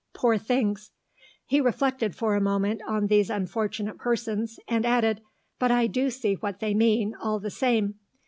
Poor things." He reflected for a moment on these unfortunate persons, and added, "But I do see what they mean, all the same.